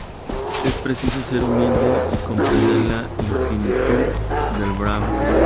Es preciso ser humilde y comprender la infinitud del Brahman.